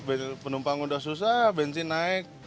iya penumpang udah susah bensin naik